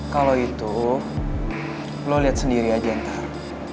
kalo itu lo liat sendiri aja ntar